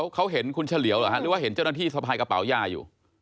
เขาเห็นคุณเฉลียวเหรอฮะหรือว่าเห็นเจ้าหน้าที่สะพายกระเป๋ายาอยู่